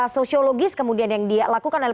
sosiologis kemudian yang dilakukan oleh